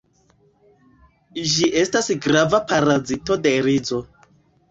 Ĝi estas grava parazito de rizo.